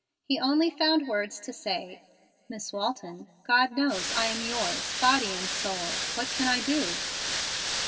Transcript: He only found words to say, "Miss Walton, God knows I am yours, body and soul. What can I do?"